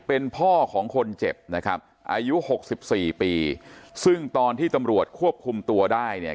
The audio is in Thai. เป็นพ่อของคนเจ็บนะครับอายุหกสิบสี่ปีซึ่งตอนที่ตำรวจควบคุมตัวได้เนี่ย